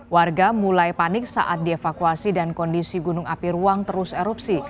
warga mulai panik saat dievakuasi dan kondisi gunung api ruang terus erupsi